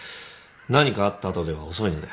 何かあった後では遅いので。